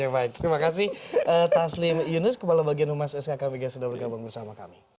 oke baik terima kasih taslim yunus kepala bagian umas skkmgc sudah bergabung bersama kami